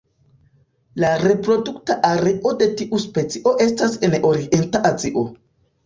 La reprodukta areo de tiu specio estas en Orienta Azio.